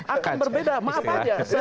akan berbeda maaf aja